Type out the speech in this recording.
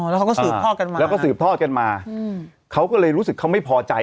แล้วเขาก็สืบทอดกันมาเขาก็เลยรู้สึกเขาไม่พอใจ